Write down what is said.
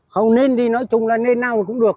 không nên thì nói chung là nên nào cũng được